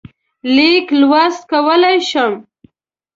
لیک لوست کولای شم.